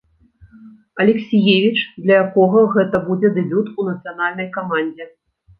Алексіевіч, для якога гэта будзе дэбют у нацыянальнай камандзе.